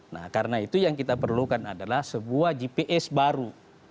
nah karena itu yang kita perlukan adalah sebuah gps baru